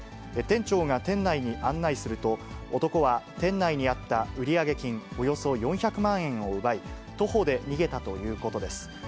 店長が店内に案内すると、男は店内にあった売上金およそ４００万円を奪い、徒歩で逃げたということです。